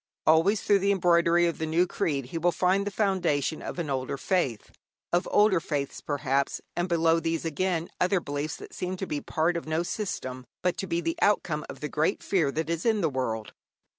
Always through the embroidery of the new creed he will find the foundation of an older faith, of older faiths, perhaps, and below these, again, other beliefs that seem to be part of no system, but to be the outcome of the great fear that is in the world.